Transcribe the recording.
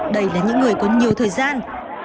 đây là những người có nhiều thời gian